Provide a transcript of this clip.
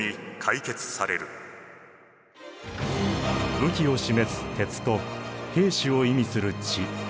武器を示す鉄と兵士を意味する血。